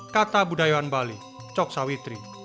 kata budaya bali cok sawitri